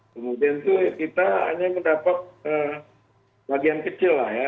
kemudian itu kita hanya mendapat bagian kecil lah ya